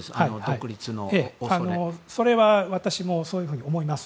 それは私もそういうふうに思います。